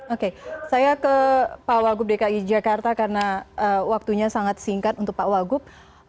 oke saya ke pak wagub dki jakarta karena waktunya sangat singkat untuk pak wagub